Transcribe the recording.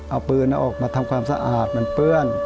เอาปืนออกมาทำความสะอาดมันเปื้อน